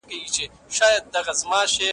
د صحي بیمې سیسټم اړین دی.